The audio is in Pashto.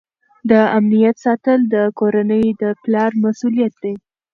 د امنیت ساتل د کورنۍ د پلار مسؤلیت دی.